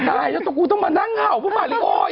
อะไรกูต้องมาก็ง่าเห่า